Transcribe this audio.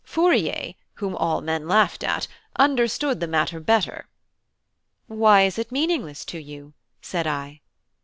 Fourier, whom all men laughed at, understood the matter better." "Why is it meaningless to you?" said I.